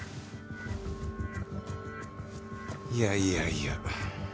いやいやいや。